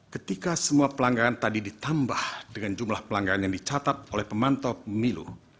ketika semua pelanggaran tadi ditambah dengan jumlah pelanggaran yang dicatat oleh pemantau pemilu